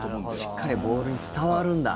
しっかりボールに伝わるんだ。